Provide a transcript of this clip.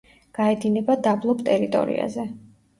გაედინება დაბლობ ტერიტორიაზე.